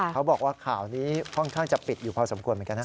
เขาบอกว่าข่าวนี้ค่อนข้างจะปิดอยู่พอสมควรเหมือนกันนะ